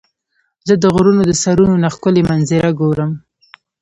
زه د غرونو د سرونو نه ښکلي منظره ګورم.